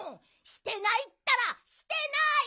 してないったらしてない！